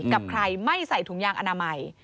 กับใครไม่ใส่ถุงยางอนามัย